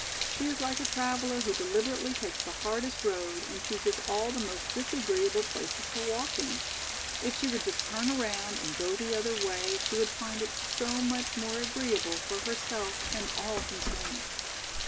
"She is like a traveller who deliberately takes the hardest road and chooses all the most disagreeable places to walk in. If she would just turn around and go the other way she would find it so much more agreeable for herself and all concerned."